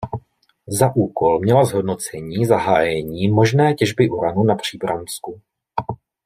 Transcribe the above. Za úkol měla zhodnocení zahájení možné těžby uranu na Příbramsku.